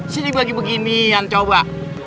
sini bagi beginian coba